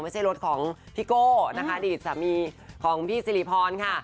ไม่ใช่รถของพี่โก้นะคะอดีตสามีของพี่สิริพรค่ะ